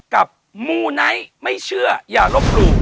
กับมูไหนไม่เชื่ออย่ารบรู